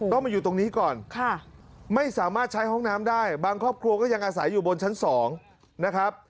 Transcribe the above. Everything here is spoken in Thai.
ต้องมาอยู่ตรงนี้ก่อนไม่สามารถใช้ห้องน้ำได้บางครอบครัวก็ยังอาศัยอยู่บนชั้น๒นะครับ